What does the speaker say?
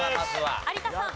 有田さん。